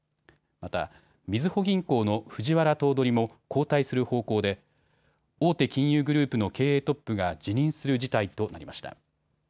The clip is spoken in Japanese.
また、みずほ銀行の藤原頭取も交代する方向で大手金融グループの経営トップが辞任する事態となりました。